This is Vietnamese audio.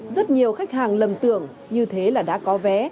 rất nhiều khách hàng lầm tưởng như thế là đã có vé